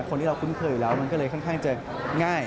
คนที่เราคุ้นเคยอยู่แล้วมันก็เลยค่อนข้างจะง่าย